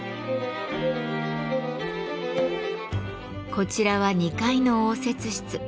こちらは２階の応接室。